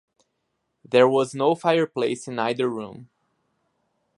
There was no fireplace in either room.